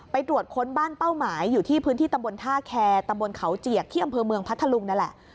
ตรวจค้นบ้านเป้าหมายอยู่ที่พื้นที่ตำบลท่าแคร์ตำบลเขาเจียกที่อำเภอเมืองพัทธลุงนั่นแหละ